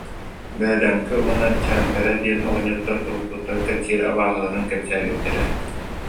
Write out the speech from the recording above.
Бөөдөҥкө уонна Чээмпэрэ диэн оҕонньоттор уруккуттан кэпсиир абааһыларын кэпсээбиттэрэ